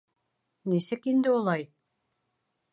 Нисек инде улай?